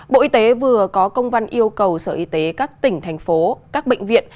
bộ y tế vừa có công văn yêu cầu sở y tế các tỉnh thành phố các bệnh viện